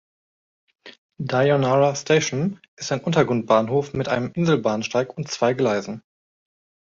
Dainohara Station ist ein Untergrundbahnhof mit einem Inselbahnsteig und zwei Gleisen.